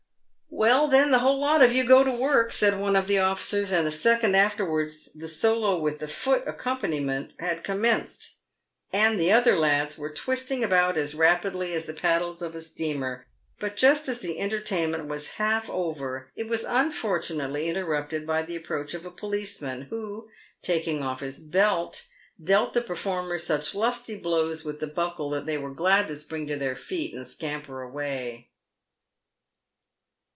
" Well, then, the whole lot of you go to work," said one of. the officers; and a second afterwards the solo with the foot accompaniment 120 PAViJD WITH GOLD. had commenced, and the other lads were twisting about as rapidly as the paddles of a steamer; but just as the entertainment was half over it was unfortunately interrupted by the approach of a policeman, who, taking off his belt, dealt the performers such lusty blows with the buckle that they were glad to spring to their feet and scamper away.